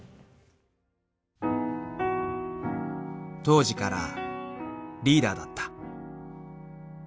［当時からリーダーだった］